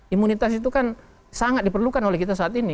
imunitas itu kan sangat diperlukan oleh kita saat ini